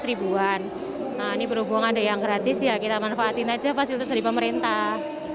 ini berhubungan ada yang gratis kita manfaatin saja fasilitas dari pemerintah